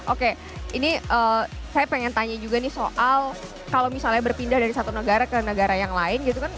oke ini saya pengen tanya juga nih soal kalau misalnya berpindah dari satu negara ke negara yang lain gitu kan